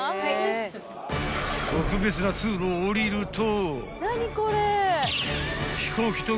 ［特別な通路を降りると］